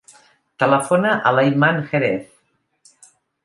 Telefona a l'Ayman Jerez.